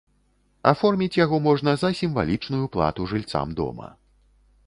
Аформіць яго можна за сімвалічную плату жыльцам дома.